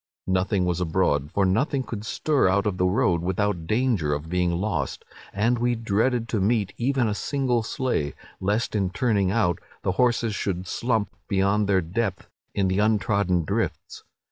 Nothing was abroad, for nothing could stir out of the road without danger of being lost; and we dreaded to meet even a single sleigh, lest, in turning out, the horses should 'slump' beyond their depth in the untrodden drifts.